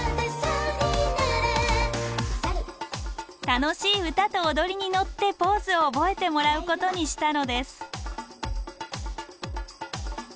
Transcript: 楽しい歌と踊りに乗ってポーズを覚えてもらうことにしたのです。